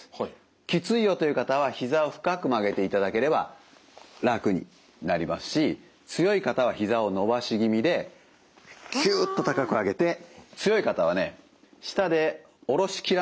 きついよという方はひざを深く曲げていただければ楽になりますし強い方はひざを伸ばし気味できゅっと高く上げて強い方はね下で下ろしきらなくても結構です。